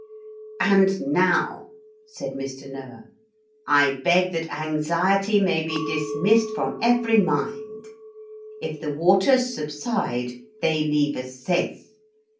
'And now,' said Mr. Noah, 'I beg that anxiety may be dismissed from every mind. If the waters subside, they leave us safe.